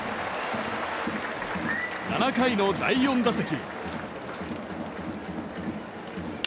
７回の第４打席。